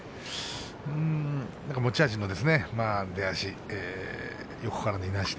持ち味の出足横からのいなし